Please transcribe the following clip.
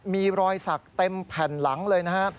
มีรอยสักเต็มแผ่นหลังเลยนะฮะ